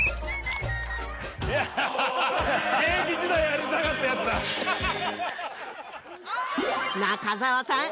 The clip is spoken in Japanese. ハハハ現役時代やりたかったやつだ中澤さん